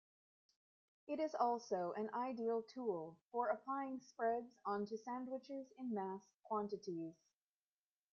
It is also an ideal tool for applying spreads onto sandwiches in mass quantities.